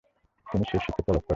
তিনি সেই শিখকে তলব করেন।